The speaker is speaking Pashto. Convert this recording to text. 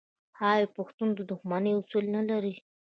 آیا پښتون د دښمنۍ اصول نلري؟